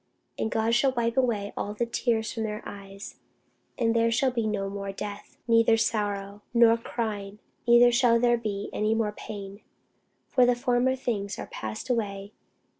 And God shall wipe away all tears from their eyes; and there shall be no more death, neither sorrow, nor crying, neither shall there be any more pain: for the former things are passed away.